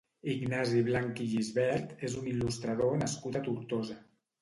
Ignasi Blanch i Gisbert és un il·lustrador nascut a Tortosa.